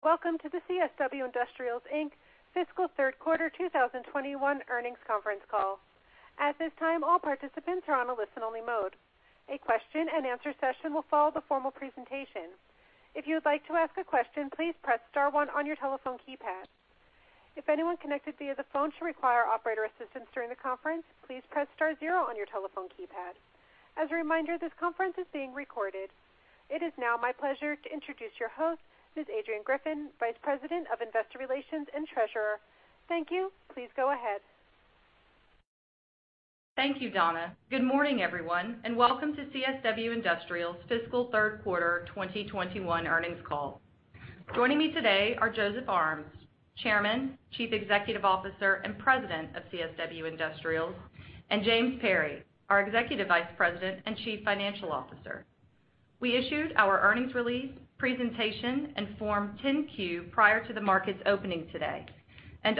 Welcome to the CSW Industrials Inc fiscal third quarter 2021 earnings conference call. At this time, all participants are on a listen-only mode. A question and answer session will follow the formal presentation. If you would like to ask a question, please press star one on your telephone keypad. If anyone connected via the phone should require operator assistance during the conference, please press star zero on your telephone keypad. As a reminder, this conference is being recorded. It is now my pleasure to introduce your host, Ms. Adrianne Griffin, Vice President of Investor Relations and Treasurer. Thank you. Please go ahead. Thank you, Donna. Good morning, everyone, and welcome to CSW Industrials's fiscal third quarter 2021 earnings call. Joining me today are Joseph Armes, Chairman, Chief Executive Officer, and President of CSW Industrials, and James Perry, our Executive Vice President and Chief Financial Officer. We issued our earnings release, presentation, and Form 10-Q prior to the market's opening today.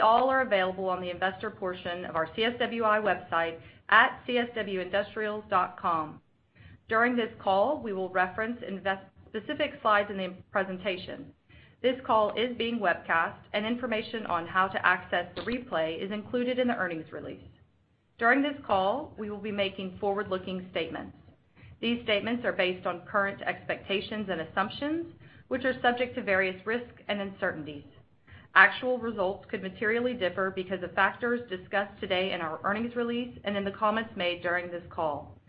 All are available on the investor portion of our CSWI website at cswindustrials.com. During this call, we will reference specific slides in the presentation. This call is being webcast and information on how to access the replay is included in the earnings release. During this call, we will be making forward-looking statements. These statements are based on current expectations and assumptions, which are subject to various risks and uncertainties. Actual results could materially differ because of factors discussed today in our earnings release and in the comments made during this call,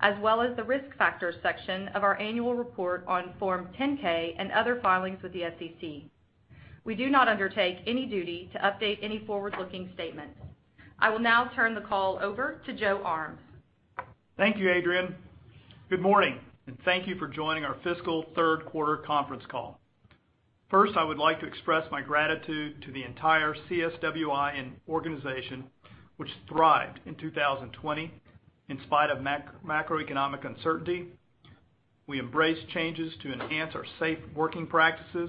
as well as the Risk Factors section of our annual report on Form 10-K and other filings with the SEC. We do not undertake any duty to update any forward-looking statement. I will now turn the call over to Joe Armes. Thank you, Adrianne. Good morning, and thank you for joining our fiscal third quarter conference call. First, I would like to express my gratitude to the entire CSWI organization, which thrived in 2020 in spite of macroeconomic uncertainty. We embrace changes to enhance our safe working practices,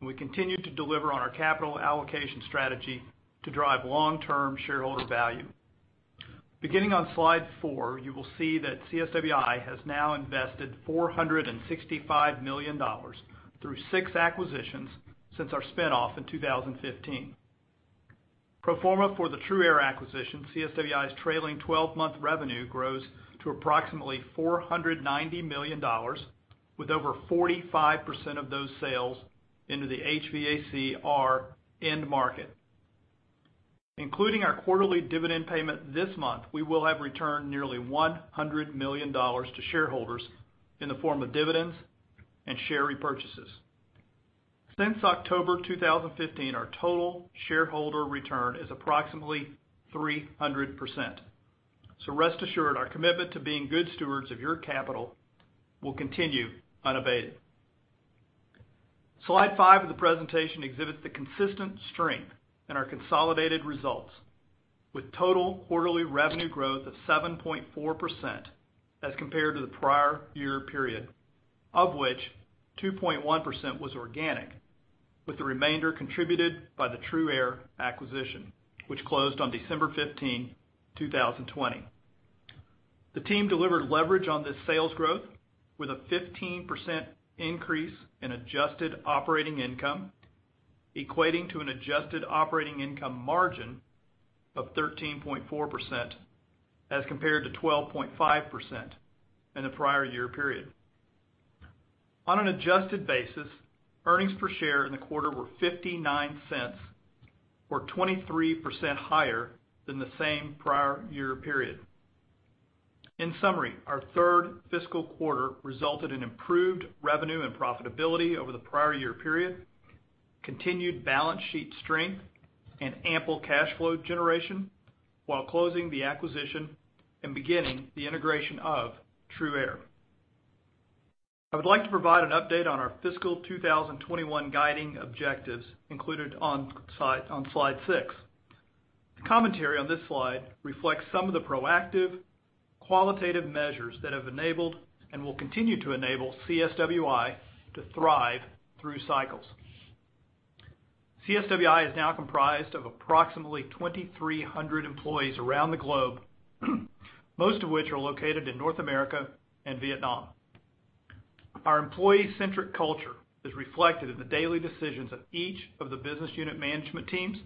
we continue to deliver on our capital allocation strategy to drive long-term shareholder value. Beginning on slide four, you will see that CSWI has now invested $465 million through six acquisitions since our spinoff in 2015. Pro forma for the TRUaire acquisition, CSWI's trailing 12-month revenue grows to approximately $490 million, with over 45% of those sales into the HVACR end market. Including our quarterly dividend payment this month, we will have returned nearly $100 million to shareholders in the form of dividends and share repurchases. Since October 2015, our total shareholder return is approximately 300%. Rest assured, our commitment to being good stewards of your capital will continue unabated. Slide five of the presentation exhibits the consistent strength in our consolidated results with total quarterly revenue growth of 7.4% as compared to the prior year period, of which 2.1% was organic, with the remainder contributed by the TRUaire acquisition, which closed on December 15, 2020. The team delivered leverage on this sales growth with a 15% increase in adjusted operating income, equating to an adjusted operating income margin of 13.4% as compared to 12.5% in the prior year period. On an adjusted basis, earnings per share in the quarter were $0.59 or 23% higher than the same prior year period. In summary, our third fiscal quarter resulted in improved revenue and profitability over the prior year period, continued balance sheet strength, and ample cash flow generation while closing the acquisition and beginning the integration of TRUaire. I would like to provide an update on our fiscal 2021 guiding objectives included on slide six. The commentary on this slide reflects some of the proactive qualitative measures that have enabled and will continue to enable CSWI to thrive through cycles. CSWI is now comprised of approximately 2,300 employees around the globe, most of which are located in North America and Vietnam. Our employee-centric culture is reflected in the daily decisions of each of the business unit management teams,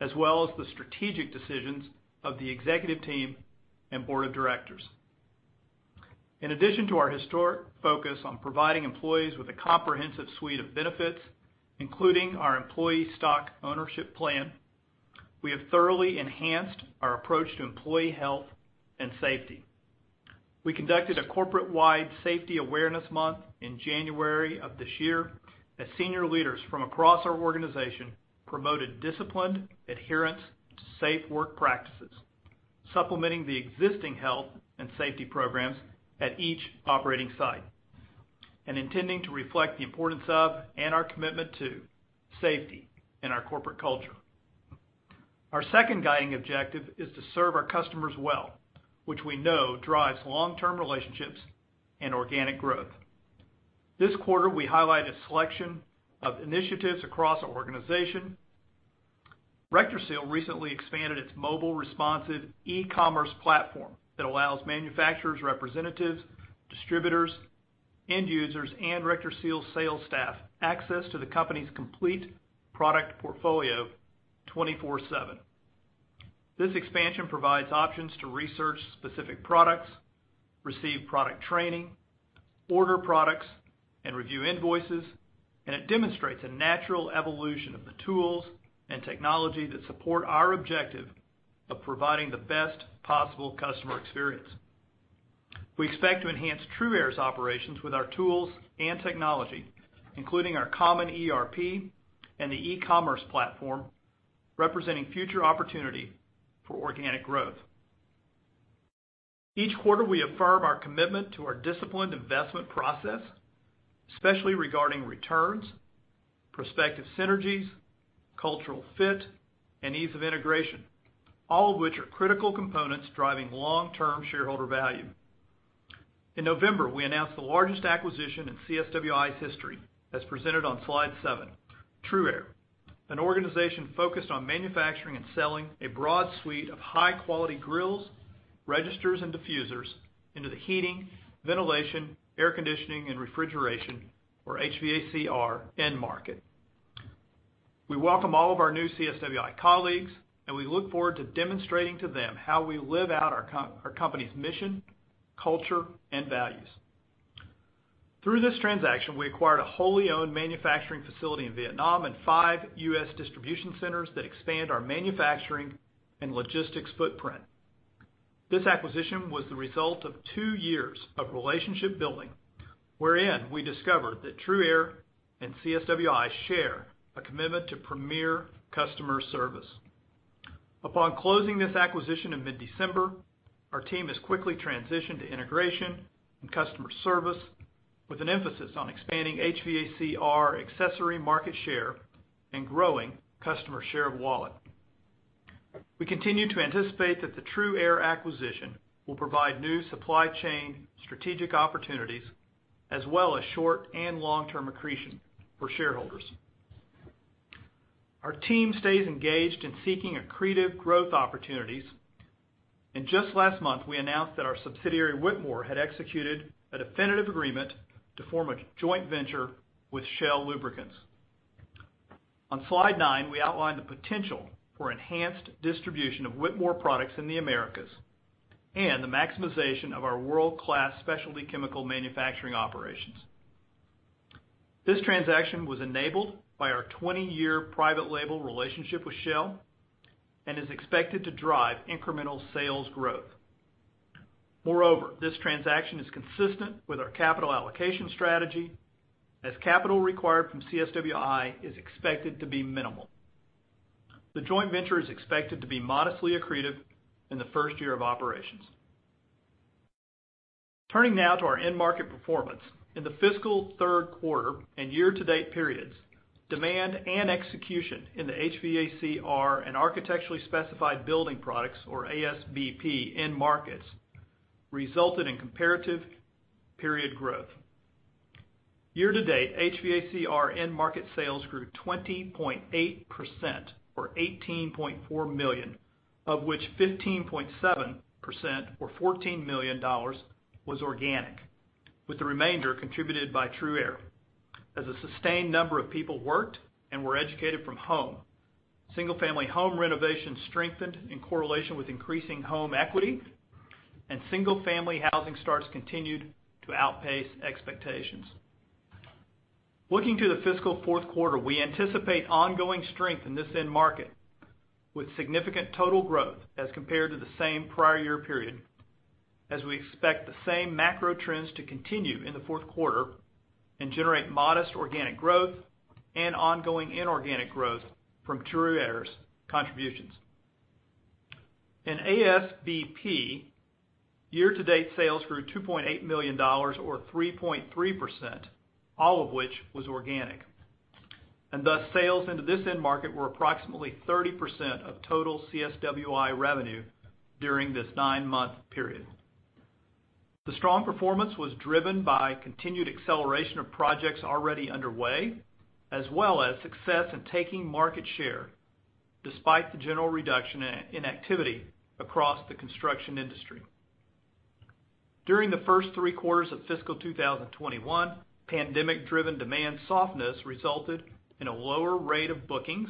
as well as the strategic decisions of the executive team and board of directors. In addition to our historic focus on providing employees with a comprehensive suite of benefits, including our employee stock ownership plan, we have thoroughly enhanced our approach to employee health and safety. We conducted a corporate-wide safety awareness month in January of this year as senior leaders from across our organization promoted disciplined adherence to safe work practices, supplementing the existing health and safety programs at each operating site and intending to reflect the importance of and our commitment to safety in our corporate culture. Our second guiding objective is to serve our customers well, which we know drives long-term relationships and organic growth. This quarter, we highlighted a selection of initiatives across our organization. RectorSeal recently expanded its mobile responsive e-commerce platform that allows manufacturers, representatives, distributors, end users, and RectorSeal sales staff access to the company's complete product portfolio 24/7. This expansion provides options to research specific products, receive product training, order products, and review invoices. It demonstrates a natural evolution of the tools and technology that support our objective of providing the best possible customer experience. We expect to enhance TRUaire's operations with our tools and technology, including our common ERP and the e-commerce platform, representing future opportunity for organic growth. Each quarter, we affirm our commitment to our disciplined investment process, especially regarding returns, prospective synergies, cultural fit, and ease of integration, all of which are critical components driving long-term shareholder value. In November, we announced the largest acquisition in CSWI's history as presented on slide seven, TRUaire, an organization focused on manufacturing and selling a broad suite of high-quality grilles, registers, and diffusers into the heating, ventilation, air conditioning, and refrigeration, or HVACR end market. We welcome all of our new CSWI colleagues. We look forward to demonstrating to them how we live out our company's mission, culture, and values. Through this transaction, we acquired a wholly owned manufacturing facility in Vietnam and five U.S. distribution centers that expand our manufacturing and logistics footprint. This acquisition was the result of two years of relationship building wherein we discovered that TRUaire and CSWI share a commitment to premier customer service. Upon closing this acquisition in mid-December, our team has quickly transitioned to integration and customer service with an emphasis on expanding HVACR accessory market share and growing customer share of wallet. We continue to anticipate that the TRUaire acquisition will provide new supply chain strategic opportunities, as well as short and long-term accretion for shareholders. Our team stays engaged in seeking accretive growth opportunities, and just last month, we announced that our subsidiary, Whitmore, had executed a definitive agreement to form a joint venture with Shell Lubricants. On slide nine, we outlined the potential for enhanced distribution of Whitmore products in the Americas and the maximization of our world-class specialty chemical manufacturing operations. This transaction was enabled by our 20-year private label relationship with Shell and is expected to drive incremental sales growth. Moreover, this transaction is consistent with our capital allocation strategy, as capital required from CSWI is expected to be minimal. The joint venture is expected to be modestly accretive in the first year of operations. Turning now to our end market performance. In the fiscal third quarter and year to date periods, demand and execution in the HVACR and Architecturally Specified Building Products, or ASBP, end markets resulted in comparative period growth. Year to date, HVACR end market sales grew 20.8%, or $18.4 million, of which 15.7%, or $14 million, was organic, with the remainder contributed by TRUaire. As a sustained number of people worked and were educated from home, single-family home renovation strengthened in correlation with increasing home equity and single-family housing starts continued to outpace expectations. Looking to the fiscal fourth quarter, we anticipate ongoing strength in this end market with significant total growth as compared to the same prior year period, as we expect the same macro trends to continue in the fourth quarter and generate modest organic growth and ongoing inorganic growth from TRUaire's contributions. In ASBP, year to date sales grew $2.8 million, or 3.3%, all of which was organic. Thus, sales into this end market were approximately 30% of total CSWI revenue during this nine-month period. The strong performance was driven by continued acceleration of projects already underway, as well as success in taking market share despite the general reduction in activity across the construction industry. During the first three quarters of fiscal 2021, pandemic-driven demand softness resulted in a lower rate of bookings,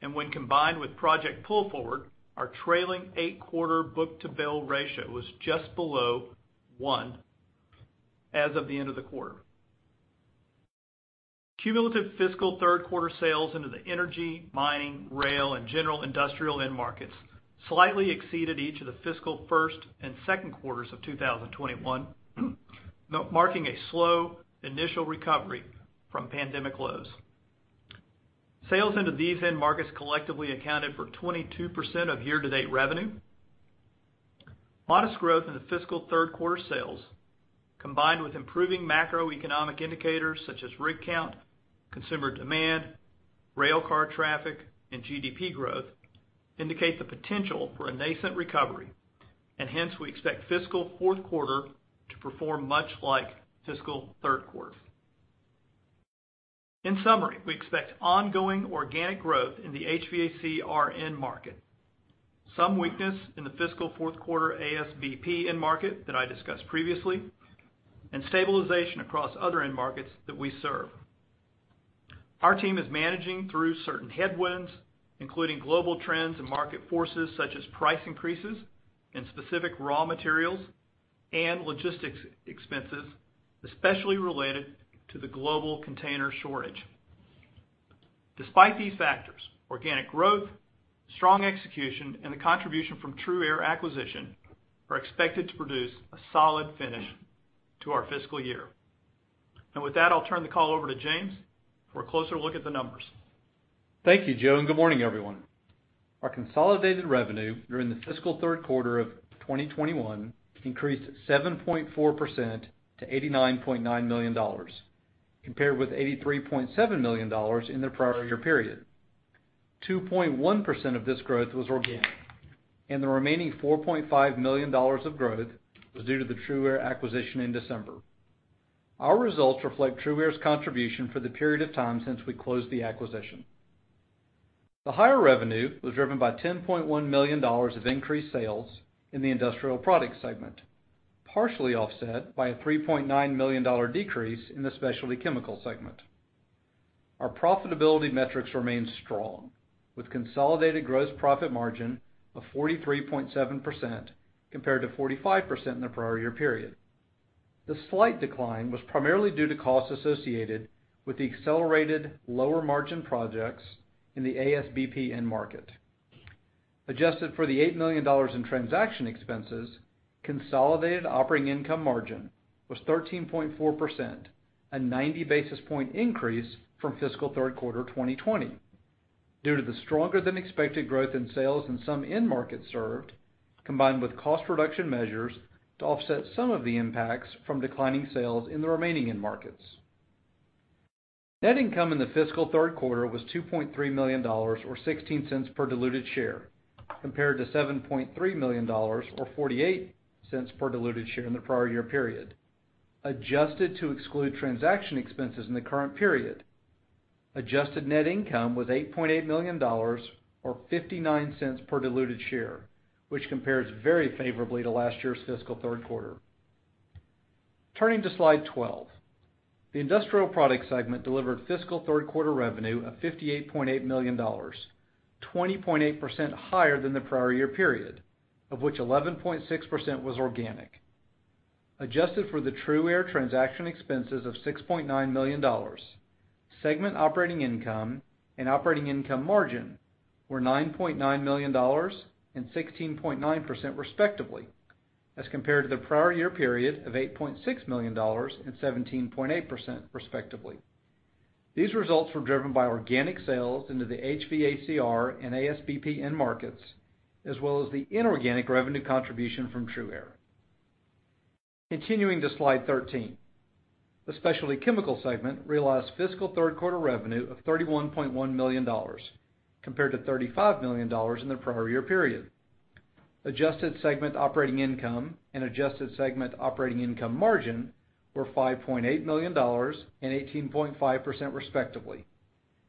and when combined with project pull forward, our trailing eight-quarter book-to-bill ratio was just below one as of the end of the quarter. Cumulative fiscal third quarter sales into the energy, mining, rail, and general industrial end markets slightly exceeded each of the fiscal first and second quarters of 2021, marking a slow initial recovery from pandemic lows. Sales into these end markets collectively accounted for 22% of year-to-date revenue. Modest growth in the fiscal third quarter sales, combined with improving macroeconomic indicators such as rig count, consumer demand, rail car traffic, and GDP growth indicate the potential for a nascent recovery and hence we expect fiscal fourth quarter to perform much like fiscal third quarter. In summary, we expect ongoing organic growth in the HVACR end market. Some weakness in the fiscal fourth quarter ASBP end market that I discussed previously, and stabilization across other end markets that we serve. Our team is managing through certain headwinds, including global trends and market forces such as price increases in specific raw materials and logistics expenses, especially related to the global container shortage. Despite these factors, organic growth, strong execution, and the contribution from TRUaire acquisition are expected to produce a solid finish to our fiscal year. With that, I'll turn the call over to James for a closer look at the numbers. Thank you, Joe, good morning everyone. Our consolidated revenue during the fiscal third quarter of 2021 increased 7.4% to $89.9 million, compared with $83.7 million in the prior year period. 2.1% of this growth was organic, and the remaining $4.5 million of growth was due to the TRUaire acquisition in December. Our results reflect TRUaire's contribution for the period of time since we closed the acquisition. The higher revenue was driven by $10.1 million of increased sales in the Industrial Products segment, partially offset by a $3.9 million decrease in the Specialty Chemicals segment. Our profitability metrics remain strong, with consolidated gross profit margin of 43.7% compared to 45% in the prior year period. The slight decline was primarily due to costs associated with the accelerated lower margin projects in the ASBP end market. Adjusted for the $8 million in transaction expenses, consolidated operating income margin was 13.4%, a 90 basis point increase from fiscal third quarter 2020, due to the stronger than expected growth in sales in some end markets served, combined with cost reduction measures to offset some of the impacts from declining sales in the remaining end markets. Net income in the fiscal third quarter was $2.3 million or $0.16 per diluted share, compared to $7.3 million or $0.48 per diluted share in the prior year period. Adjusted to exclude transaction expenses in the current period, adjusted net income was $8.8 million or $0.59 per diluted share, which compares very favorably to last year's fiscal third quarter. Turning to slide 12. The industrial products segment delivered fiscal third quarter revenue of $58.8 million, 20.8% higher than the prior year period, of which 11.6% was organic. Adjusted for the TRUaire transaction expenses of $6.9 million, segment operating income and operating income margin were $9.9 million and 16.9% respectively, as compared to the prior year period of $8.6 million and 17.8% respectively. These results were driven by organic sales into the HVACR and ASBP end markets, as well as the inorganic revenue contribution from TRUaire. Continuing to slide 13. The Specialty Chemicals segment realized fiscal third quarter revenue of $31.1 million, compared to $35 million in the prior year period. Adjusted segment operating income and adjusted segment operating income margin were $5.8 million and 18.5%, respectively,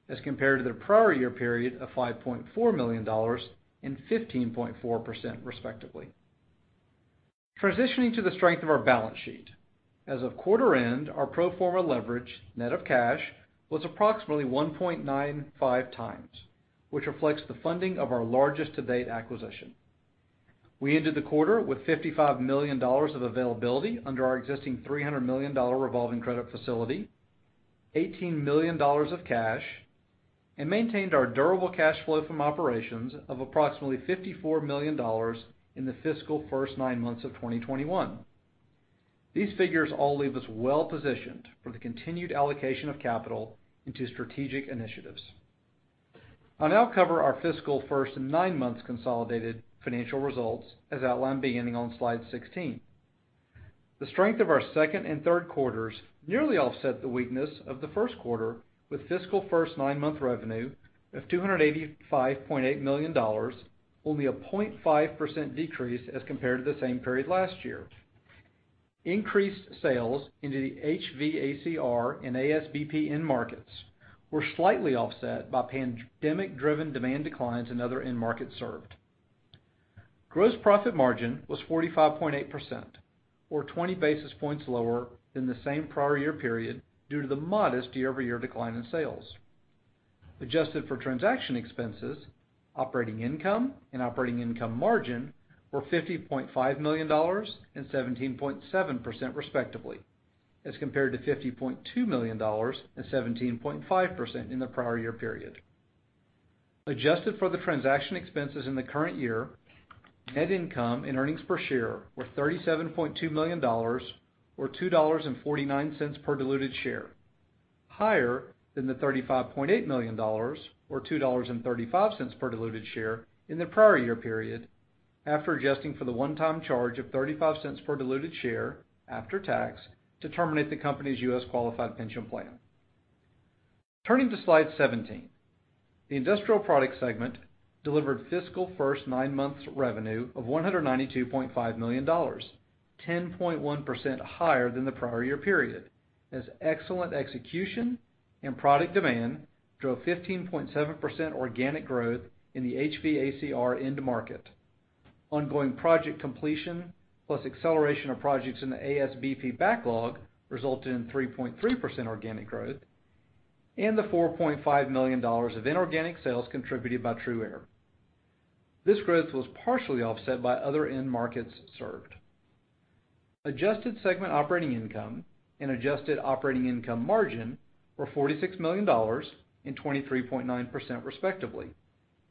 as compared to the prior year period of $5.4 million and 15.4%, respectively. Transitioning to the strength of our balance sheet. As of quarter end, our pro forma leverage net of cash was approximately 1.95 times, which reflects the funding of our largest-to-date acquisition. We ended the quarter with $55 million of availability under our existing $300 million revolving credit facility, $18 million of cash, and maintained our durable cash flow from operations of approximately $54 million in the fiscal first nine months of 2021. These figures all leave us well-positioned for the continued allocation of capital into strategic initiatives. I'll now cover our fiscal first nine months consolidated financial results, as outlined beginning on slide 16. The strength of our second and third quarters nearly offset the weakness of the first quarter, with fiscal first nine-month revenue of $285.8 million, only a 0.5% decrease as compared to the same period last year. Increased sales into the HVACR and ASBP end markets were slightly offset by pandemic-driven demand declines in other end markets served. Gross profit margin was 45.8%, or 20 basis points lower than the same prior year period due to the modest year-over-year decline in sales. Adjusted for transaction expenses, operating income and operating income margin were $50.5 million and 17.7%, respectively, as compared to $50.2 million and 17.5% in the prior year period. Adjusted for the transaction expenses in the current year, net income and earnings per share were $37.2 million, or $2.49 per diluted share, higher than the $35.8 million or $2.35 per diluted share in the prior year period, after adjusting for the one-time charge of $0.35 per diluted share after tax to terminate the company's U.S. qualified pension plan. Turning to slide 17. The Industrial Products segment delivered fiscal first nine months revenue of $192.5 million, 10.1% higher than the prior year period, as excellent execution and product demand drove 15.7% organic growth in the HVACR end market. Ongoing project completion, plus acceleration of projects in the ASBP backlog resulted in 3.3% organic growth and the $4.5 million of inorganic sales contributed by TRUaire. This growth was partially offset by other end markets served. Adjusted segment operating income and adjusted operating income margin were $46 million and 23.9%, respectively,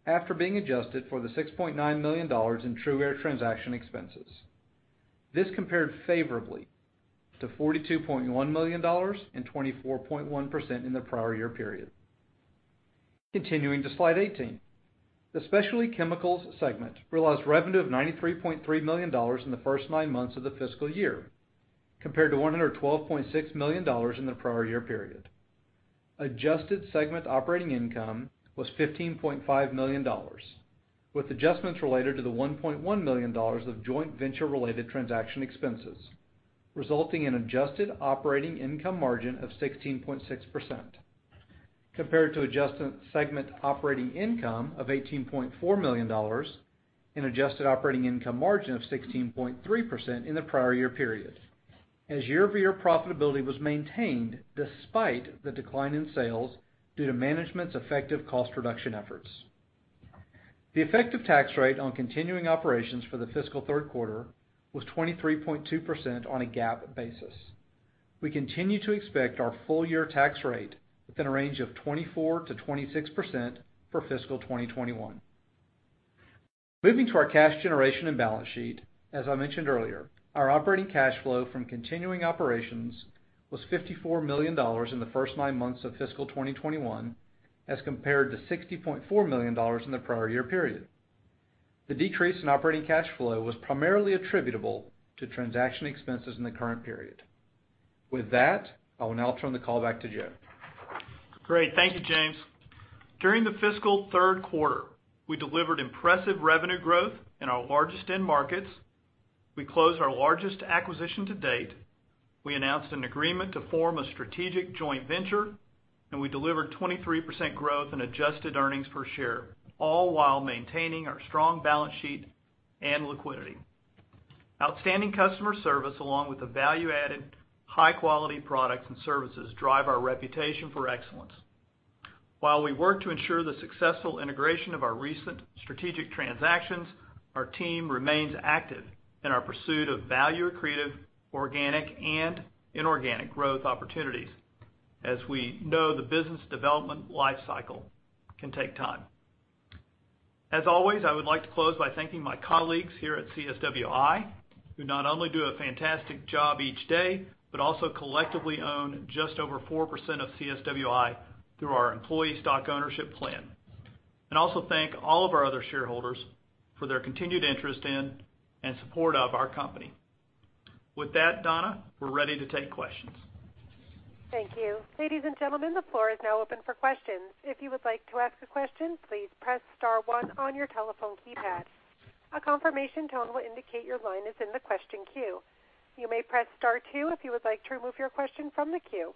after being adjusted for the $6.9 million in TRUaire transaction expenses. This compared favorably to $42.1 million and 24.1% in the prior year period. Continuing to slide 18. The Specialty Chemicals segment realized revenue of $93.3 million in the first nine months of the fiscal year, compared to $112.6 million in the prior year period. Adjusted segment operating income was $15.5 million, with adjustments related to the $1.1 million of joint venture-related transaction expenses, resulting in adjusted operating income margin of 16.6%, compared to adjusted segment operating income of $18.4 million, an adjusted operating income margin of 16.3% in the prior year period, as year-over-year profitability was maintained despite the decline in sales due to management's effective cost reduction efforts. The effective tax rate on continuing operations for the fiscal third quarter was 23.2% on a GAAP basis. We continue to expect our full year tax rate within a range of 24%-26% for fiscal 2021. Moving to our cash generation and balance sheet. As I mentioned earlier, our operating cash flow from continuing operations was $54 million in the first nine months of fiscal 2021, as compared to $60.4 million in the prior year period. The decrease in operating cash flow was primarily attributable to transaction expenses in the current period. With that, I will now turn the call back to Joe. Great. Thank you, James. During the fiscal third quarter, we delivered impressive revenue growth in our largest end markets. We closed our largest acquisition to date. We announced an agreement to form a strategic joint venture, and we delivered 23% growth in adjusted earnings per share, all while maintaining our strong balance sheet and liquidity. Outstanding customer service, along with the value-added, high-quality products and services, drive our reputation for excellence. While we work to ensure the successful integration of our recent strategic transactions, our team remains active in our pursuit of value-accretive organic and inorganic growth opportunities, as we know the business development life cycle can take time. As always, I would like to close by thanking my colleagues here at CSWI, who not only do a fantastic job each day but also collectively own just over 4% of CSWI through our employee stock ownership plan. Also thank all of our other shareholders for their continued interest in and support of our company. With that, Donna, we're ready to take questions. Thank you. Ladies and gentlemen, the floor is now open for questions. If you would like to ask a question, please press star one on your telephone keypad. A confirmation tone will indicate your line is in the question queue. You may press star two if you would like to remove your question from the queue.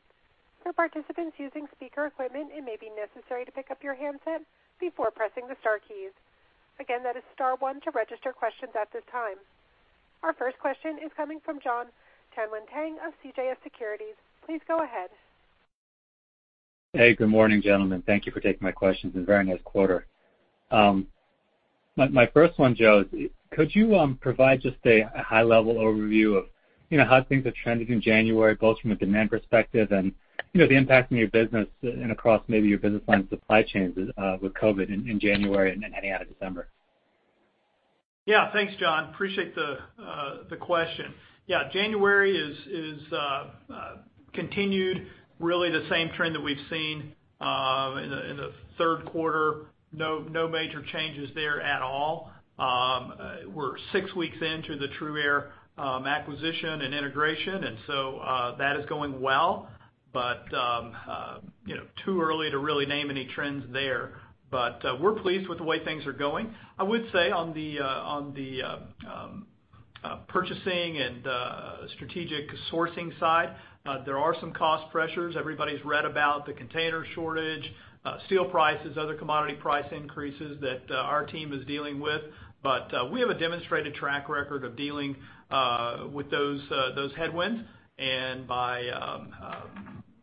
For participants using speaker equipment, it may be necessary to pick up your handset before pressing the star keys. Again, that is star one to register questions at this time. Our first question is coming from Jon Tanwanteng of CJS Securities. Please go ahead. Hey, good morning, gentlemen. Thank you for taking my questions, and very nice quarter. My first one, Joe, could you provide just a high-level overview of how things are trending in January, both from a demand perspective and the impact on your business and across maybe your business on supply chains with COVID in January and heading out of December? Yeah. Thanks, Jon. Appreciate the question. Yeah. January continued really the same trend that we've seen in the third quarter. No major changes there at all. We're six weeks into the TRUaire acquisition and integration, that is going well. Too early to really name any trends there. We're pleased with the way things are going. I would say on the purchasing and strategic sourcing side, there are some cost pressures. Everybody's read about the container shortage, steel prices, other commodity price increases that our team is dealing with. We have a demonstrated track record of dealing with those headwinds and by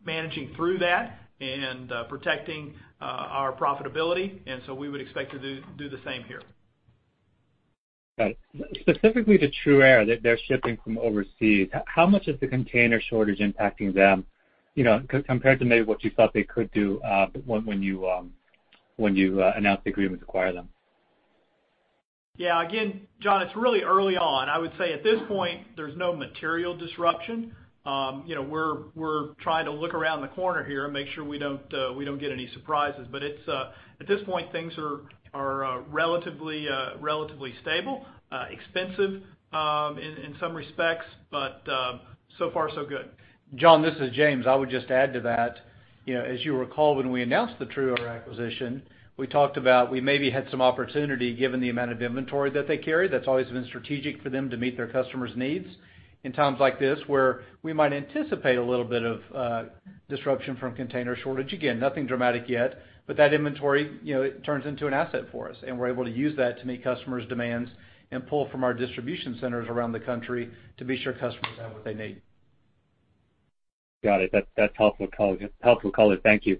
managing through that and protecting our profitability, we would expect to do the same here. Got it. Specifically to TRUaire, they're shipping from overseas. How much is the container shortage impacting them, compared to maybe what you thought they could do when you announced the agreement to acquire them? Again, Jon, it's really early on. I would say at this point, there's no material disruption. We're trying to look around the corner here and make sure we don't get any surprises. At this point, things are relatively stable, expensive in some respects, but so far so good. Jon, this is James. I would just add to that. As you recall, when we announced the TRUaire acquisition, we talked about we maybe had some opportunity given the amount of inventory that they carry. That's always been strategic for them to meet their customers' needs in times like this, where we might anticipate a little bit of disruption from container shortage. Again, nothing dramatic yet, but that inventory, it turns into an asset for us, and we're able to use that to meet customers' demands and pull from our distribution centers around the country to be sure customers have what they need. Got it. That's helpful color. Thank you.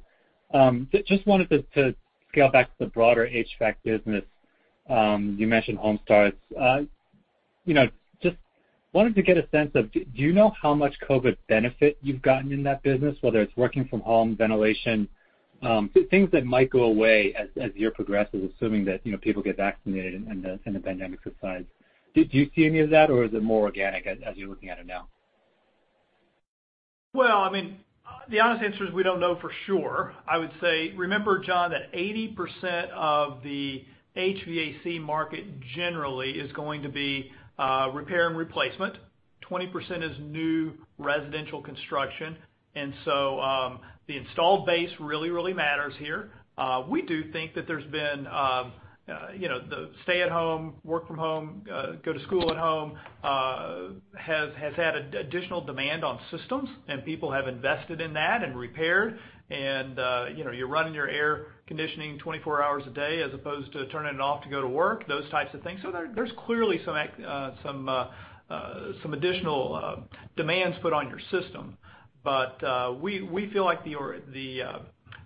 Just wanted to scale back to the broader HVAC business. You mentioned home starts. Just wanted to get a sense of, do you know how much COVID benefit you've gotten in that business, whether it's working from home ventilation, things that might go away as the year progresses, assuming that people get vaccinated and the pandemic subsides. Do you see any of that, or is it more organic as you're looking at it now? The honest answer is we don't know for sure. I would say, remember, Jon, that 80% of the HVAC market generally is going to be repair and replacement, 20% is new residential construction. The installed base really matters here. We do think that there's been the stay at home, work from home, go to school at home, has had additional demand on systems and people have invested in that and repaired and you're running your air conditioning 24 hours a day as opposed to turning it off to go to work, those types of things. There's clearly some additional demands put on your system. We feel like the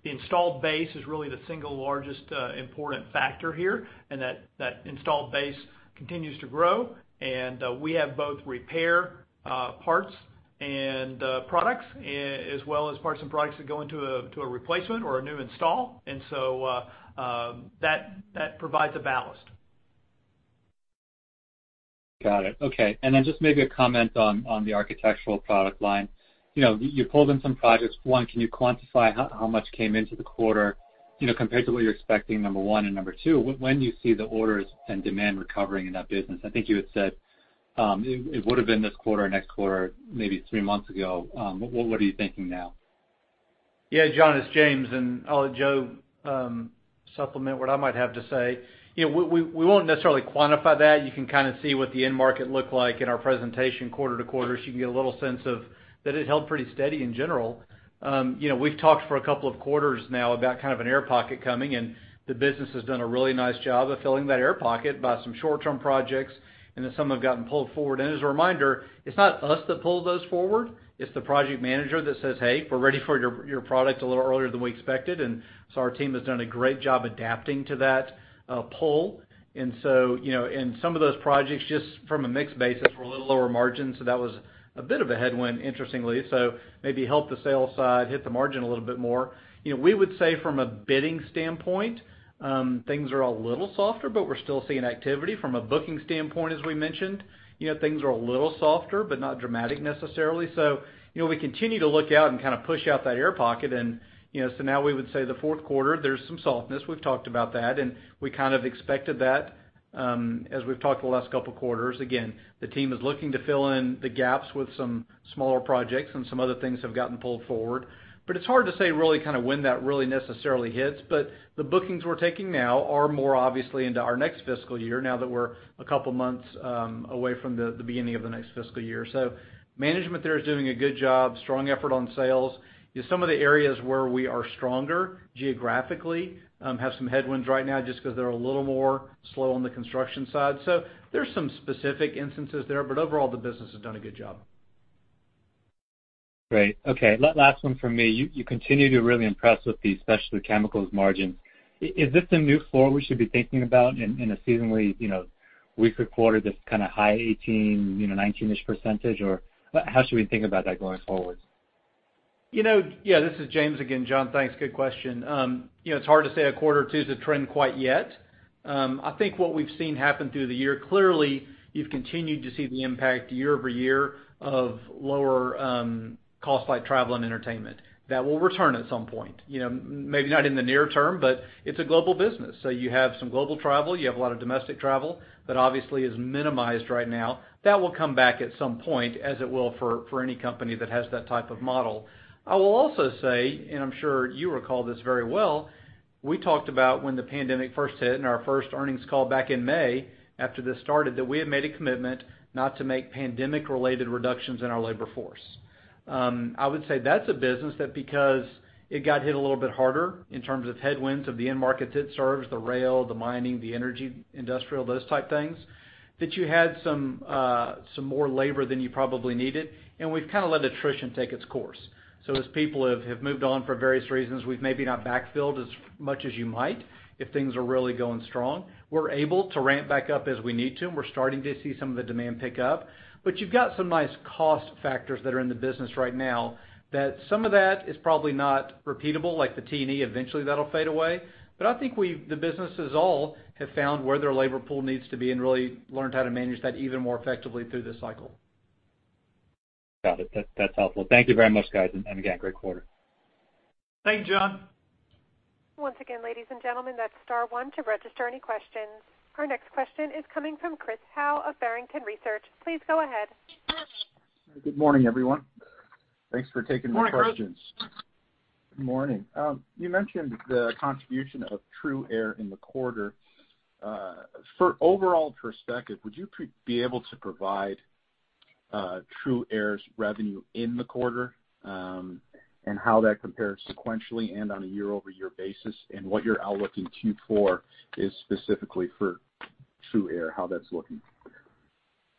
installed base is really the single largest important factor here, and that installed base continues to grow, and we have both repair parts and products as well as parts and products that go into a replacement or a new install. That provides a ballast. Got it. Okay. Just maybe a comment on the architectural product line. You pulled in some projects. One, can you quantify how much came into the quarter, compared to what you're expecting? Number two, when do you see the orders and demand recovering in that business? I think you had said, it would have been this quarter or next quarter, maybe three months ago. What are you thinking now? Yeah, Jon, it's James, and I'll let Joseph supplement what I might have to say. We won't necessarily quantify that. You can kind of see what the end market looked like in our presentation quarter to quarter, so you can get a little sense of that it held pretty steady in general. We've talked for a couple of quarters now about kind of an air pocket coming, and the business has done a really nice job of filling that air pocket by some short-term projects, and then some have gotten pulled forward. As a reminder, it's not us that pull those forward. It's the project manager that says, "Hey, we're ready for your product a little earlier than we expected." Our team has done a great job adapting to that pull. Some of those projects, just from a mix basis, were a little lower margin. That was a bit of a headwind, interestingly. Maybe help the sales side hit the margin a little bit more. We would say from a bidding standpoint, things are a little softer, but we're still seeing activity. From a booking standpoint, as we mentioned, things are a little softer, but not dramatic necessarily. We continue to look out and kind of push out that air pocket and, now we would say the fourth quarter, there's some softness. We've talked about that, and we kind of expected that, as we've talked the last couple of quarters. Again, the team is looking to fill in the gaps with some smaller projects and some other things have gotten pulled forward. It's hard to say really when that really necessarily hits. The bookings we're taking now are more obviously into our next fiscal year now that we're a couple of months away from the beginning of the next fiscal year. Management there is doing a good job, strong effort on sales. Some of the areas where we are stronger geographically have some headwinds right now just because they're a little more slow on the construction side. There's some specific instances there, but overall, the business has done a good job. Great. Okay. Last one from me. You continue to really impress with the Specialty Chemicals margin. Is this a new floor we should be thinking about in a seasonally weaker quarter, this kind of high 18, 19-ish%? How should we think about that going forward? Yeah, this is James again. Jon, thanks. Good question. It's hard to say a quarter or two is a trend quite yet. I think what we've seen happen through the year, clearly, you've continued to see the impact year-over-year of lower costs like travel and entertainment. That will return at some point. Maybe not in the near term, it's a global business. You have some global travel, you have a lot of domestic travel that obviously is minimized right now. That will come back at some point, as it will for any company that has that type of model. I will also say, I'm sure you recall this very well, we talked about when the pandemic first hit in our first earnings call back in May after this started, that we had made a commitment not to make pandemic-related reductions in our labor force. I would say that's a business that because it got hit a little bit harder in terms of headwinds of the end markets it serves, the rail, the mining, the energy, industrial, those type things, that you had some more labor than you probably needed. We've kind of let attrition take its course. As people have moved on for various reasons, we've maybe not backfilled as much as you might if things are really going strong. We're able to ramp back up as we need to, and we're starting to see some of the demand pick up. You've got some nice cost factors that are in the business right now that some of that is probably not repeatable, like the T&E, eventually that'll fade away. I think the businesses all have found where their labor pool needs to be and really learned how to manage that even more effectively through this cycle. Got it. That's helpful. Thank you very much, guys, and again, great quarter. Thanks, Jon. Once again, ladies and gentlemen, that's star one to register any questions. Our next question is coming from Chris Howe of Barrington Research. Please go ahead. Good morning, everyone. Thanks for taking my questions. Morning, Chris. Good morning. You mentioned the contribution of TRUaire in the quarter. For overall perspective, would you be able to provide TRUaire's revenue in the quarter? How that compares sequentially and on a year-over-year basis, and what your outlook in Q4 is specifically for TRUaire, how that's looking?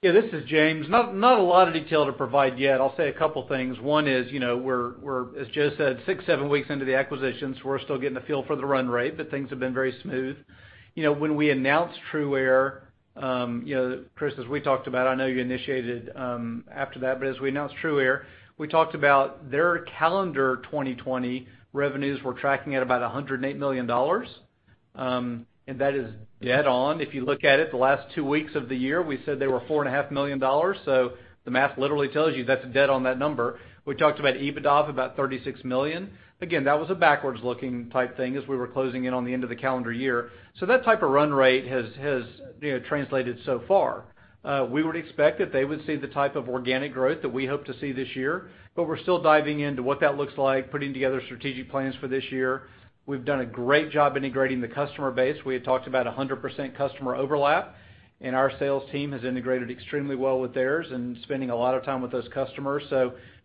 Yeah. This is James. Not a lot of detail to provide yet. I'll say a couple things. One is, we're, as Joe said, six, seven weeks into the acquisitions. We're still getting a feel for the run rate. Things have been very smooth. When we announced TRUaire, Chris, as we talked about, I know you initiated after that. As we announced TRUaire, we talked about their calendar 2020 revenues were tracking at about $108 million. That is dead on. If you look at it, the last two weeks of the year, we said they were $4.5 million. The math literally tells you that's dead on that number. We talked about EBITDA of about $36 million. That was a backwards-looking type thing as we were closing in on the end of the calendar year. That type of run rate has translated so far. We would expect that they would see the type of organic growth that we hope to see this year, but we're still diving into what that looks like, putting together strategic plans for this year. We've done a great job integrating the customer base. We had talked about 100% customer overlap, and our sales team has integrated extremely well with theirs and spending a lot of time with those customers.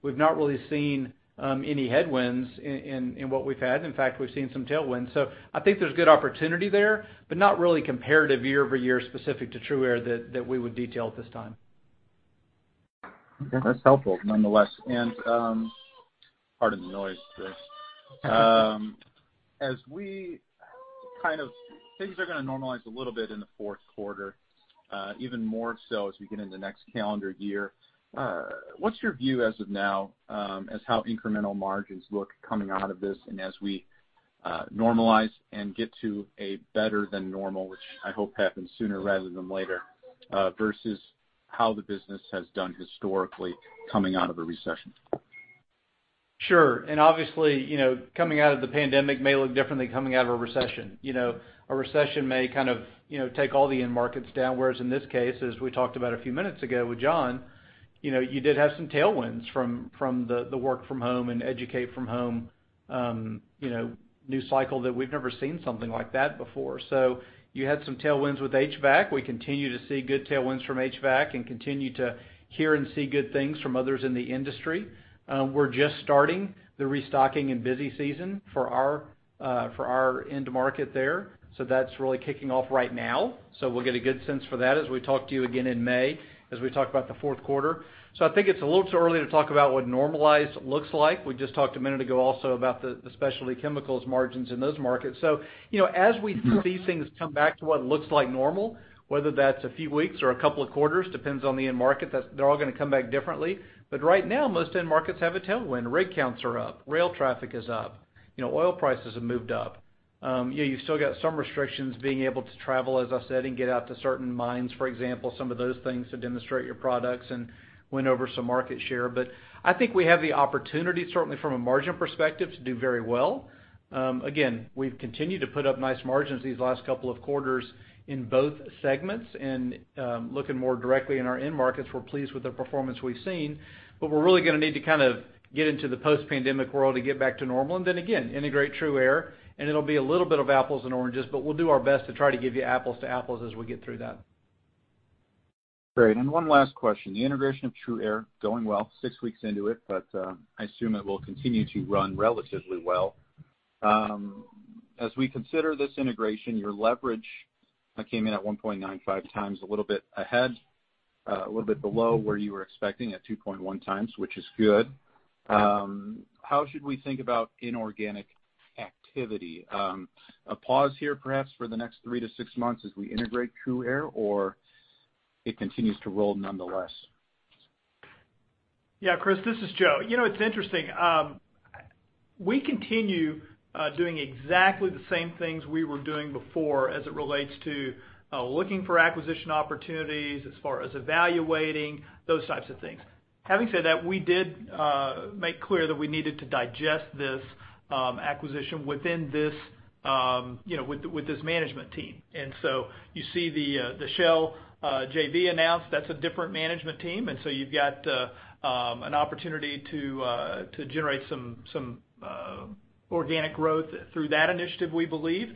We've not really seen any headwinds in what we've had. In fact, we've seen some tailwinds. I think there's good opportunity there, but not really comparative year-over-year specific to TRUaire that we would detail at this time. Okay. That's helpful, nonetheless. Pardon the noise, Chris. Things are going to normalize a little bit in the fourth quarter, even more so as we get into next calendar year. What's your view as of now as how incremental margins look coming out of this and as we normalize and get to a better than normal, which I hope happens sooner rather than later, versus how the business has done historically coming out of a recession? Obviously, coming out of the pandemic may look differently than coming out of a recession. A recession may kind of take all the end markets down, whereas in this case, as we talked about a few minutes ago with Jon, you did have some tailwinds from the work from home and educate from home new cycle that we've never seen something like that before. You had some tailwinds with HVAC. We continue to see good tailwinds from HVAC and continue to hear and see good things from others in the industry. We're just starting the restocking and busy season for our end market there. That's really kicking off right now. We'll get a good sense for that as we talk to you again in May, as we talk about the fourth quarter. I think it's a little too early to talk about what normalized looks like. We just talked a minute ago also about the specialty chemicals margins in those markets. As we see things come back to what looks like normal, whether that's a few weeks or a couple of quarters, depends on the end market, they're all going to come back differently. Right now, most end markets have a tailwind. Rig counts are up. Rail traffic is up. Oil prices have moved up. You've still got some restrictions being able to travel, as I said, and get out to certain mines, for example, some of those things to demonstrate your products and win over some market share. I think we have the opportunity, certainly from a margin perspective, to do very well. Again, we've continued to put up nice margins these last couple of quarters in both segments and looking more directly in our end markets, we're pleased with the performance we've seen. We're really going to need to kind of get into the post-pandemic world to get back to normal, and then again, integrate TRUaire, and it'll be a little bit of apples and oranges, but we'll do our best to try to give you apples to apples as we get through that. Great, one last question. The integration of TRUaire, going well six weeks into it, but I assume it will continue to run relatively well. As we consider this integration, your leverage that came in at 1.95 times a little bit ahead, a little bit below where you were expecting at 2.1 times, which is good. How should we think about inorganic activity? A pause here perhaps for the next three to six months as we integrate TRUaire, or it continues to roll nonetheless? Chris, this is Joe. It's interesting. We continue doing exactly the same things we were doing before as it relates to looking for acquisition opportunities as far as evaluating, those types of things. Having said that, we did make clear that we needed to digest this acquisition with this management team. You see the Shell JV announced. That's a different management team. You've got an opportunity to generate some organic growth through that initiative, we believe,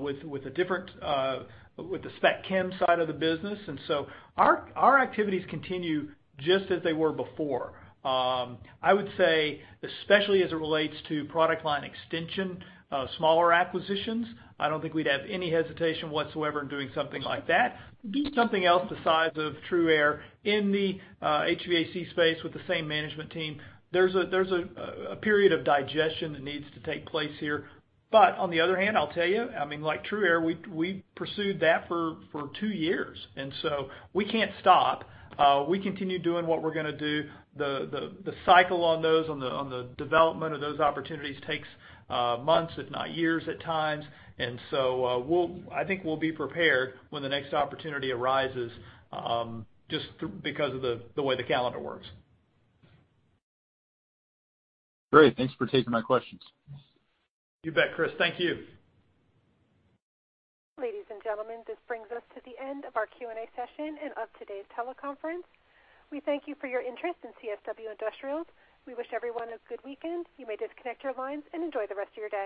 with the spec chem side of the business. Our activities continue just as they were before. I would say, especially as it relates to product line extension, smaller acquisitions, I don't think we'd have any hesitation whatsoever in doing something like that. Do something else the size of TRUaire in the HVAC space with the same management team. There's a period of digestion that needs to take place here. On the other hand, I'll tell you, like TRUaire, we pursued that for 2 years. So we can't stop. We continue doing what we're going to do. The cycle on those, on the development of those opportunities takes months, if not years at times. So I think we'll be prepared when the next opportunity arises just because of the way the calendar works. Great. Thanks for taking my questions. You bet, Chris. Thank you. Ladies and gentlemen, this brings us to the end of our Q&A session and of today's teleconference. We thank you for your interest in CSW Industrials. We wish everyone a good weekend. You may disconnect your lines and enjoy the rest of your day.